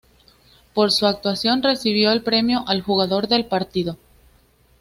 Por su actuación, recibió el premio al jugador del partido.